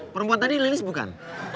perempuan tadi lilis bukan